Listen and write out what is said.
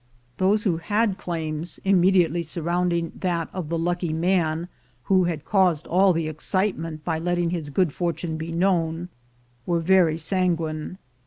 138 THE GOLD HUNTERS Those who had claims, immediately surrounding that of the lucky man who had caused all the excite ment by letting his good fortune be known, were very sanguine.